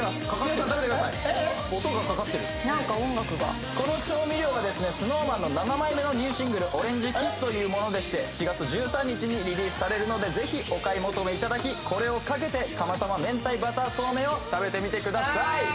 皆さん食べてください音がかかってる何か音楽がこの調味料はＳｎｏｗＭａｎの７枚目のニューシングル「オレンジｋｉｓｓ」というものでして７月１３日にリリースされるので是非お買い求めいただきこれをかけて釜玉明太バターそうめんを食べてみてください